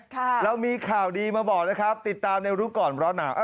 ค่ะแล้วมีข่าวดีมาบอกเลยครับติดตามในรูปก่อนเวลาหนาว